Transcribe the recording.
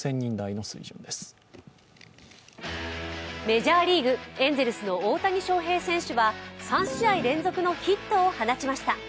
メジャーリーグ、エンゼルスの大谷翔平選手は３試合連続のヒットを放ちました。